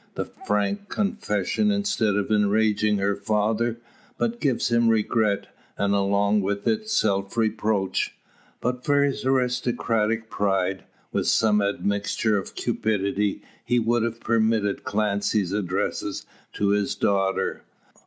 The frank confession, instead of enraging her father, but gives him regret, and along with it self reproach. But for his aristocratic pride, with some admixture of cupidity, he would have permitted Clancy's addresses to his daughter.